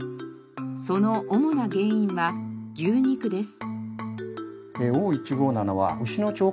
その主な原因は牛肉です。